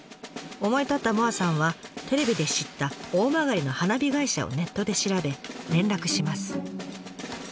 思い立った萌彩さんはテレビで知った大曲の花火会社をネットで調べ連絡します。